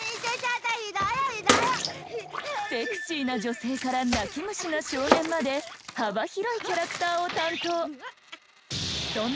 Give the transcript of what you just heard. セクシーな女性から泣き虫な少年まで幅広いキャラクターを担当。